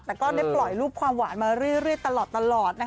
แต่ก็ได้ปล่อยรูปความหวานมาเรื่อยตลอด